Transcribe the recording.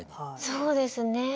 そうですね。